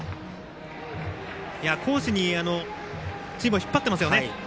攻守にチームを引っ張ってます。